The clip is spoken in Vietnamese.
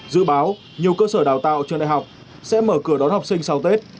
dự báo nhiều cơ sở đào tạo trường đại học sẽ mở cửa đón học sinh sau tết